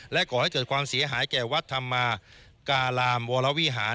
ก่อให้เกิดความเสียหายแก่วัดธรรมการามวรวิหาร